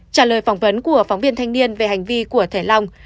trả lời phỏng vấn của phóng viên thanh niên về hành vi của thầy long